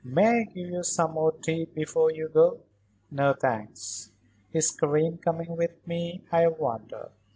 "May I give you some more tea before you go?" "No, thanks. Is Karen coming with me, I wonder?